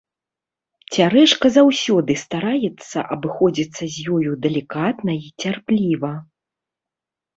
Цярэшка заўсёды стараецца абыходзіцца з ёю далікатна і цярпліва.